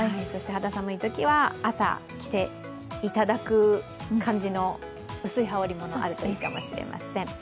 肌寒いときは朝、着ていただく感じの薄い羽織り物あるといいかもしれません。